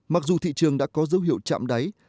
mặc dù thị trường đã có dấu hiệu chạm đáy